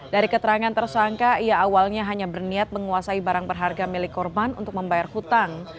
dari keterangan tersangka ia awalnya hanya berniat menguasai barang berharga milik korban untuk membayar hutang